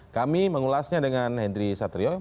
kami mengulasnya dengan henry satrio